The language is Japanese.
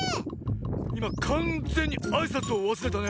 いまかんぜんにあいさつをわすれたね。